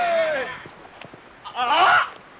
ああ！